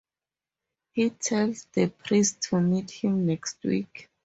He tells the priest to meet him next week.